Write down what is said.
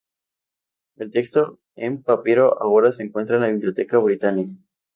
El texto en papiro ahora se encuentra en la Biblioteca Británica.